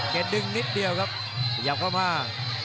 ดึงนิดเดียวครับขยับเข้ามา